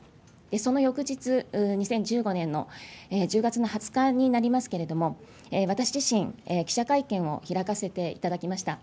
その翌日、２０１５年の１０月の２０日になりますけれども、私自身、記者会見を開かせていただきました。